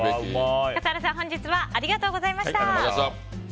笠原さん、本日はありがとうございました。